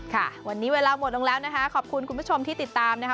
ค่ะวันนี้เวลาหมดลงแล้วนะคะขอบคุณคุณผู้ชมที่ติดตามนะคะ